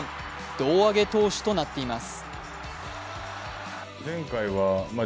胴上げ投手となっています。